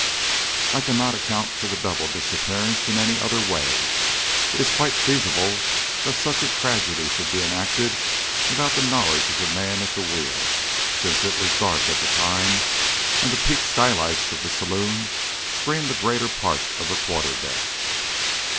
I cannot account for the double disappearance in any other way. It is quite feasible that such a tragedy should be enacted without the knowledge of the man at the wheel, since it was dark at the time, and the peaked skylights of the saloon screen the greater part of the quarter deck.